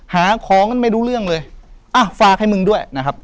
หาของกันไม่รู้เรื่องเลยอ่ะฝากให้มึงด้วยนะครับ